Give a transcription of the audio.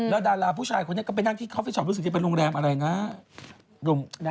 แล้วดาราผู้ชายคนนี้ก็ไปนั่งที่คอฟฟิชอปรู้สึกจะเป็นโรงแรมอะไรนะ